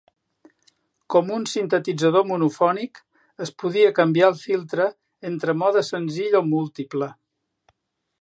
Com un sintetitzador monofònic, es podia canviar el filtre entre mode senzill o múltiple.